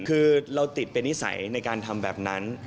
คือเราติดเป็นนิสัยในการทำแบบนั้น